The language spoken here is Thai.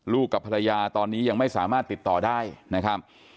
กับภรรยาตอนนี้ยังไม่สามารถติดต่อได้นะครับ